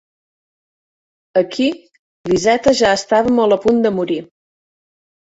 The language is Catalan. Aquí l'Izeta ja estava molt a punt de morir.